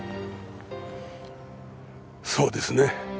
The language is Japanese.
そうですね。